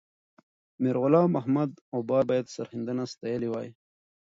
میرغلام محمد غبار باید سرښندنه ستایلې وای.